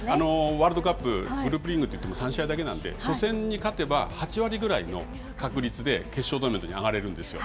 ワールドカップ、グループリーグといっても３試合だけなんで、初戦に勝てば８割ぐらいの確率で、決勝トーナメントに上がれるんですよ。